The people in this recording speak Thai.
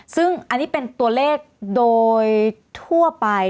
ซึ่งอันนี้เป็นตัวเลขโดยทั่วไป